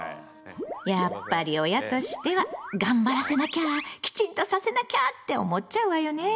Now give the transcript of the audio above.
やっぱり親としては頑張らせなきゃきちんとさせなきゃって思っちゃうわよね。